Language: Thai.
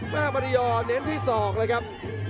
มาปฏิยอร์เน้นที่ศอกเลยครับ